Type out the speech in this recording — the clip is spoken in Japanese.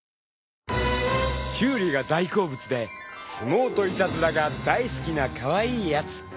［キュウリが大好物で相撲といたずらが大好きなカワイイやつ］